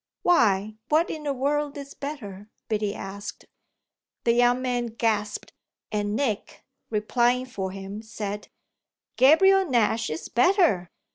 "Why what in the world is better?" Biddy asked. The young man gasped and Nick, replying for him, said: "Gabriel Nash is better!